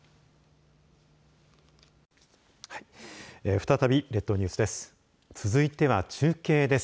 再び、列島ニュースです。